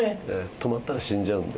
止まったら死んじゃうんで。